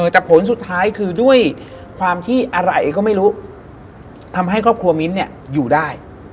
แต่ผลสุดท้ายคือด้วยความที่อะไรก็ไม่รู้ทำให้ครอบครัวมิ้นอยู่ได้